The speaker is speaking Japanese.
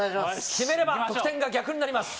決めれば得点が逆になります。